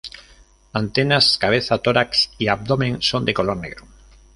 Antenas, cabeza, tórax y abdomen son de color negro.